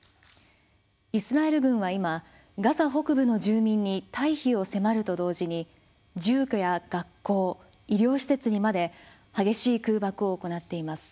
イスラエル軍は今ガザ北部の住民に退避を迫ると同時に住居や学校、医療施設にまで激しい空爆を行っています。